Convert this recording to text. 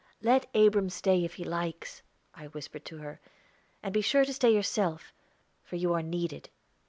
"Let Abram stay, if he likes," I whispered to her; "and be sure to stay yourself, for you are needed."